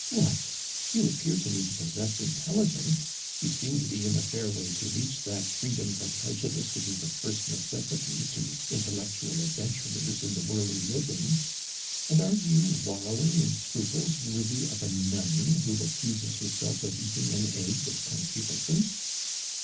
What! you appear to me to possess intelligence; you seem to be in a fair way to reach that freedom from prejudice which is a first necessity to intellectual adventurers in the world we live in; and are you wallowing in scruples worthy of a nun who accuses herself of eating an egg with concupiscence?...